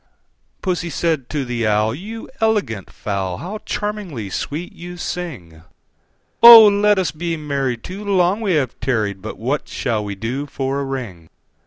II. Pussy said to the Owl, "You elegant fowl, How charmingly sweet you sing! Oh! let us be married; too long we have tarried: But what shall we do for a ring?"